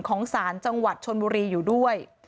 ของศาลจังหวัดชนบุรีอยู่ด้วย